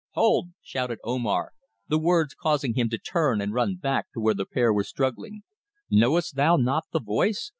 "Hold!" shouted Omar, the words causing him to turn and run back to where the pair were struggling. "Knowest thou not the voice?